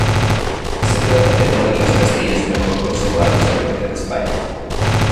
Se trata de uno de los castillos mejor conservados del norte de España.